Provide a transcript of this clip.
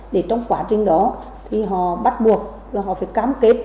để trong quá trình đó thì họ bắt buộc là họ phải cam kết